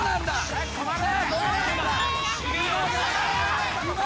早く止まれ！